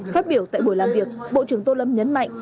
phát biểu tại buổi làm việc bộ trưởng tô lâm nhấn mạnh